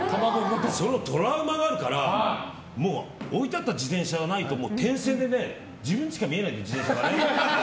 そのトラウマがあるから置いてあった自転車がないと点線で、自転車しか見えないの。